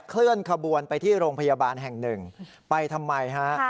เคลื่อนขบวนไปที่โรงพยาบาลแห่งหนึ่งไปทำไมฮะ